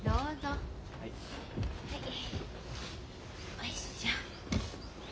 よいっしょ。